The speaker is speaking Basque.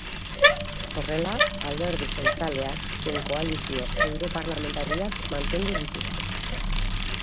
Horrela, alderdi jeltzaleak zein koalizioak europarlamentariak mantenduko dituzte.